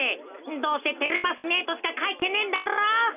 どうせ「てれますね」としかかいてねえんだろう。